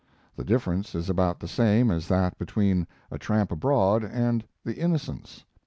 The difference is about the same as that between 'A Tramp Abroad' and the 'Innocents'.